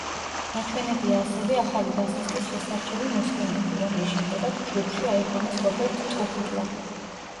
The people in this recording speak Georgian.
ნაჩვენებია ასევე ახალი ბასისტის შესარჩევი მოსმენები, რომლის შემდეგაც ჯგუფში აიყვანეს რობერტ ტრუჰილო.